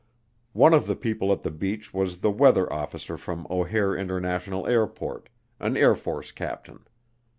One of the people at the beach was the weather officer from O'Hare International Airport, an Air Force captain.